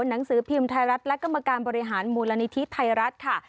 หนังสือพิมพ์ไทยรัฐและกรรมการบริหารมูลนิธิไทยรัฐค่ะ